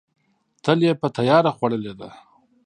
تل یې په تیاره خوړلې ده.